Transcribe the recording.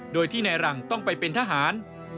โดยที่นายหลังต้องไปเป็นทหาร